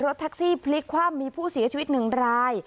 แท็กซี่พลิกคว่ำมีผู้เสียชีวิตหนึ่งราย